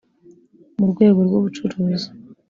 mu rwego rw ubucuruzi